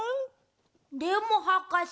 でもはかせ。